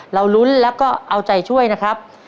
เราลุ้นแล้วก็เอาใจช่วยนะครับ